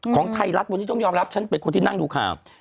ของไทยรัฐวันนี้ต้องยอมรับฉันเป็นคนที่นั่งดูข่าว